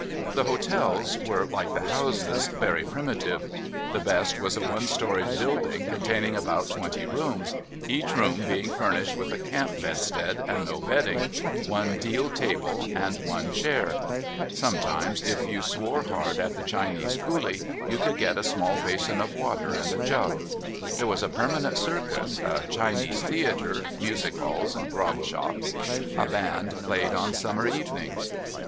The hotels were, like the houses, very primitive: the best was a one storied building containing about twenty rooms, each room being furnished with a camp bedstead and no bedding, one deal table, and one chair. Sometimes, if you swore hard at the Chinese coolie, you could get a small basin of water and a jug. There was a permanent circus, a Chinese theatre, music halls, and grog shops; a band played on summer evenings.